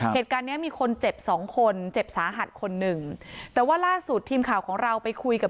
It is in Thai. เห็นส่องคนเจ็บสาหัสคนหนึ่งแต่ว่าล่าสุดทีมข่าวของเราไปคุยกับ